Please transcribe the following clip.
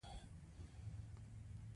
غرمه د طبیعي تنفسي فضا برخه ده